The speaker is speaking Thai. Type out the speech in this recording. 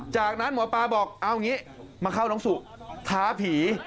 จากนั้นหมอปลาบอกเอาอย่างนี้มาเข้าน้องสุท้าผี